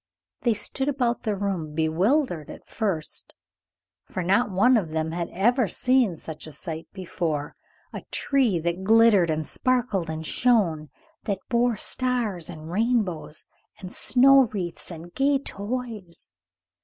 They stood about the room, bewildered at first, for not one of them had ever seen such a sight before; a tree that glittered and sparkled and shone, that bore stars and rainbows and snow wreaths and gay toys.